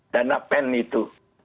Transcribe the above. dana pen itu